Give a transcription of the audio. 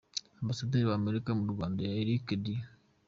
Ambasaderi wa Amerika mu Rwanda, Erica J.